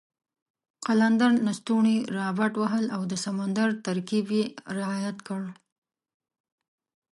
قلندر لسټوني را بډ وهل او د سمندر ترکیب یې رعایت کړ.